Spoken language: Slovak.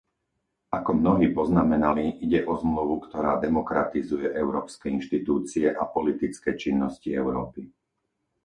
Ako mnohí poznamenali, ide o Zmluvu, ktorá demokratizuje európske inštitúcie a politické činnosti Európy.